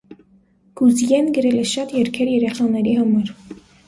Գուզյեն գրել է շատ երգեր երեխաների համար։